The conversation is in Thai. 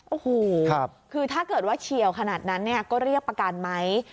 โอ้โหคือถ้าเกิดว่าเฉียวขนาดนั้นเนี่ยก็เรียกประกันไหม